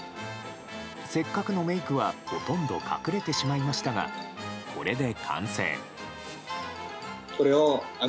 せっかくのメイクはほとんど隠れてしまいましたがこれで完成。